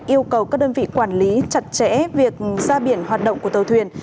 yêu cầu các đơn vị quản lý chặt chẽ việc ra biển hoạt động của tàu thuyền